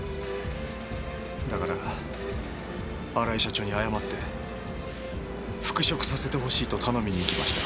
だから荒井社長に謝って復職させてほしいと頼みに行きました。